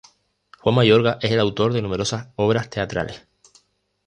Juan Mayorga es el autor de numerosas obras teatrales.